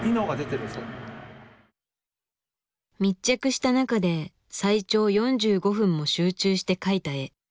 密着した中で最長４５分も集中して描いた絵。